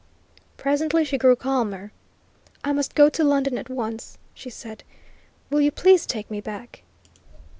Presently she grew calmer. "I must go to London at once," she said. "Will you please take me back?"